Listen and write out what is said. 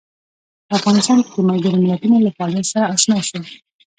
په افغانستان کې د ملګرو ملتونو له فعالیتونو سره آشنا شو.